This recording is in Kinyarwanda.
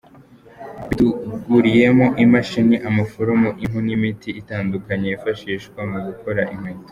Batuguriyemo imashini, amaforomu, impu n’imiti itandukanye yifashishwa mu gukora inkweto.